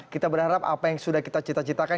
kita berharap apa yang sudah kita cita citakan